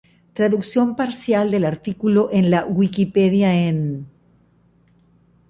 Traducción parcial del artículo en la Wikipedia en